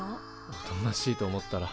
おとなしいと思ったら。